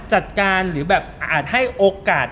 จัดการหรือแบบอาจให้โอกาส